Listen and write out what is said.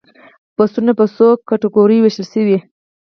بستونه په څو کټګوریو ویشل شوي؟